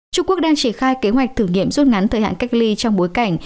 trung quốc đang triển khai kế hoạch thử nghiệm rút ngắn thời hạn cách ly trong bối cảnh